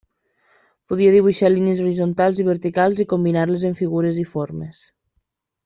Podia dibuixar línies horitzontals i verticals i combinar-les en figures i formes.